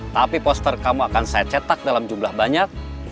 tapi poster kamu akan saya cetak dalam jumlah banyak